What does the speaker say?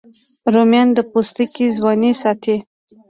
رومیان د پوستکي ځواني ساتي